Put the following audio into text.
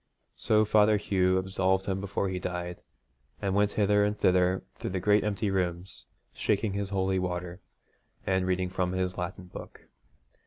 So Father Hugh absolved him before he died, and went hither and thither through the great empty rooms shaking his holy water, and reading from his Latin book.